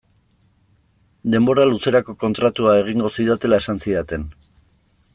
Denbora luzerako kontratua egingo zidatela esan zidaten.